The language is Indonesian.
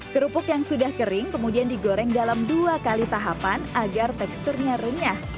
kerupuk yang sudah kering kemudian digoreng dalam dua kali tahapan agar teksturnya renyah